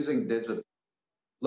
menggunakan teknologi menggunakan digital